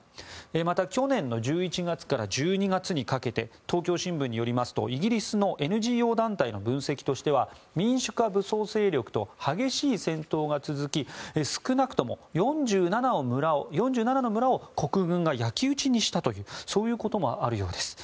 また去年の１１月から１２月にかけて東京新聞によりますとイギリスのＮＧＯ団体の分析としては、民主派武装勢力と激しい戦闘が続き少なくとも４７の村を国軍が焼き打ちにしたということもあるようです。